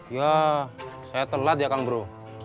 ya saya telat ya kang bro